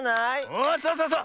おそうそうそう！